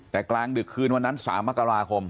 แต่กลางดึกคืนวันนั้น๓มกราคม